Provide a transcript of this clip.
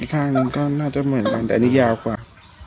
ข้างหนึ่งก็น่าจะเหมือนกันแต่อันนี้ยาวกว่า